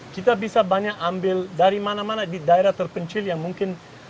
kita bisa banyak ambil dari mana mana di daerah terpencil yang mungkin